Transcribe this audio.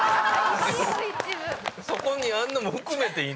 そこにあるのも含めて。